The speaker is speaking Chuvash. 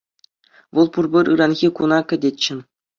Вӑл пурпӗр ыранхи куна кӗтетчӗ.